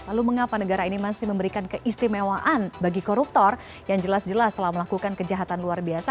lalu mengapa negara ini masih memberikan keistimewaan bagi koruptor yang jelas jelas telah melakukan kejahatan luar biasa